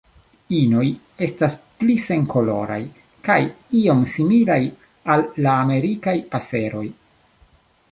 Inoj estas pli senkoloraj kaj iom similaj al la Amerikaj paseroj.